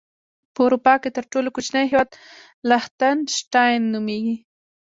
په اروپا کې تر ټولو کوچنی هیواد لختن شټاين نوميږي.